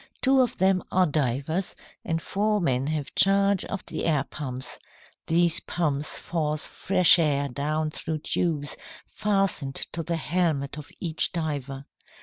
Two of them are divers, and four men have charge of the air pumps. These pumps force fresh air down through tubes fastened to the helmet of each diver.